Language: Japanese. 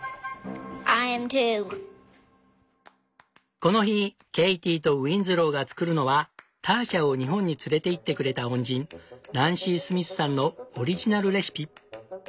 この日ケイティとウィンズローが作るのはターシャを日本に連れていってくれた恩人ナンシー・スミスさんのオリジナルレシピ。